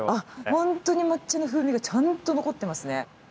本当に抹茶の風味がちゃんと残ってますね。